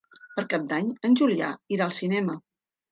Per Cap d'Any en Julià irà al cinema.